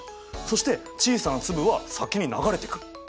そして小さな粒は先に流れてく。